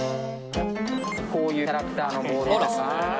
こういうキャラクターのボールですね。